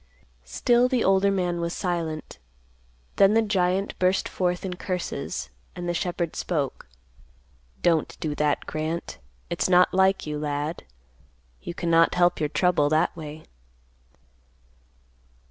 Still the older man was silent. Then the giant burst forth in curses, and the shepherd spoke, "Don't do that, Grant. It's not like you, lad. You cannot help your trouble that way."